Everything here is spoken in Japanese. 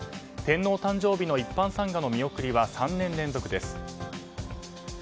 天皇誕生日の一般参賀の見送りは３年連続です。